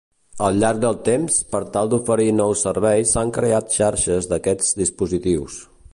Al llarg del temps per tal d'oferir nous serveis s'han creat xarxes d'aquests dispositius.